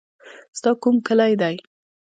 ستا کوم کلی دی.